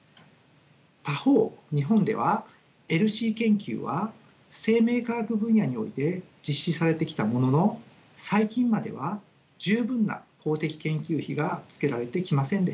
他方日本ではＥＬＳＩ研究は生命科学分野において実施されてきたものの最近までは十分な公的研究費がつけられてきませんでした。